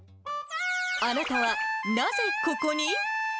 あなたはなぜ、ここに？